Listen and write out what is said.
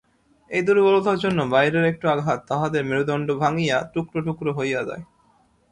এই দুর্বলতার জন্য বাইরের একটু আঘাত তাহাদের মেরুদণ্ড ভাঙিয়া টুকরো টুকরো হইয়া যায়।